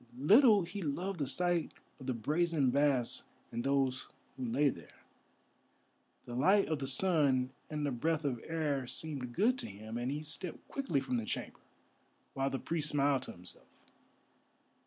Little he loved the sight of the brazen baths and those who lay there. The light of the sun and the breath of air seemed good to him, and he stepped quickly from the chamber, while the priest smiled to himself.